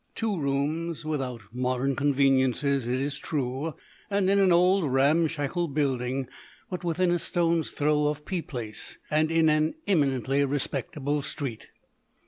Two rooms, without modern conveniences, it is true, and in an old, ramshackle building, but within a stone's throw of P Place and in an eminently respectable street.